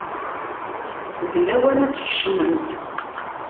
D lawan ad tkecmemt.